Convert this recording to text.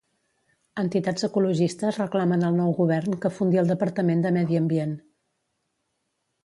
Entitats ecologistes reclamen al nou Govern que fundi el Departament de Medi Ambient.